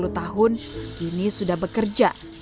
naim anak pertamanya yang berusia dua puluh tahun